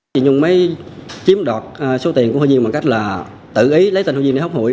chị nhung mới chiếm đoạt số tiền của huyện nhung bằng cách là tự ý lấy tên huyện nhung để hấp hụi